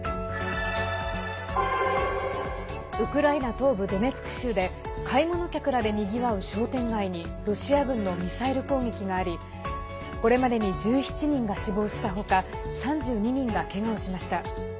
東部ドネツク州で買い物客らで、にぎわう商店街にロシア軍の攻撃がありこれまでに１７人が死亡した他３２人が、けがをしました。